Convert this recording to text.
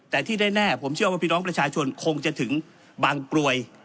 แต่ที่แน่ผมเชื่อว่าพี่น้องประชาชนคงจะถึงบางกรวย